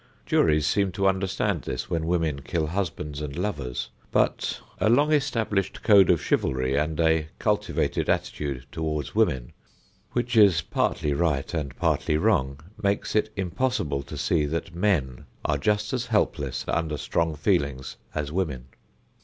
Juries seem to understand this when women kill husbands and lovers, but a long established code of chivalry and a cultivated attitude toward women, which is partly right and partly wrong, make it impossible to see that men are just as helpless under strong feelings as women.